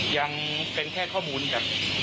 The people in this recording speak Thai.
ยังเป็นแค่ข้อมูลแบบ